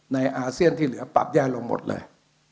อาเซียนที่เหลือปรับแย่ลงหมดเลย